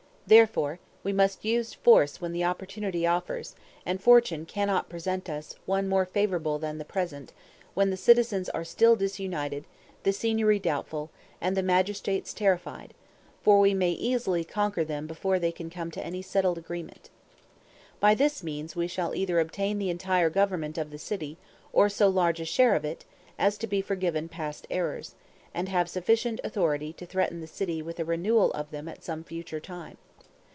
Therefore we must use force when the opportunity offers; and fortune cannot present us one more favorable than the present, when the citizens are still disunited, the Signory doubtful, and the magistrates terrified; for we may easily conquer them before they can come to any settled arrangement. By this means we shall either obtain the entire government of the city, or so large a share of it, as to be forgiven past errors, and have sufficient authority to threaten the city with a renewal of them at some future time.